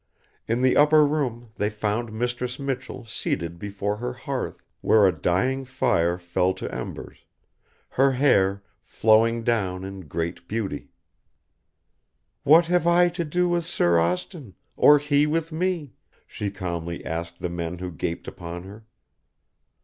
In the upper room they found Mistress Michell seated before her hearth where a dying fire fell to embers, her hair "flowing down in grate bewty." "What have I to do with Sir Austin, or he with me?" she calmly asked the men who gaped upon her.